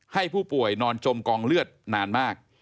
ให้ผู้ป่วยนอนจมกองเลือดนานมาก